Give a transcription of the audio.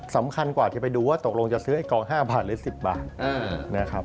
สำคัญกว่าจะไปดูว่าตกลงจะซื้อไอ้กอง๕บาทหรือ๑๐บาทนะครับ